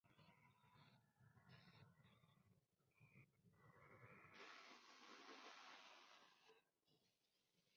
Las condiciones constructivas son favorables en general, con problemas localizados de tipo geomorfológico.